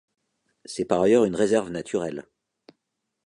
C'est par ailleurs une réserve naturelle.